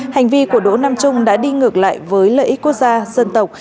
hành vi của đỗ nam trung đã đi ngược lại với lợi ích quốc gia dân tộc